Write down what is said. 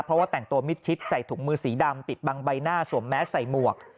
เพราะว่าแต่งตัวมิดชิดใส่ถุงมือสีดำปิดบังใบหน้าสวมแมสใส่หมวก